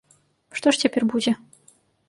Што ж цяпер будзе?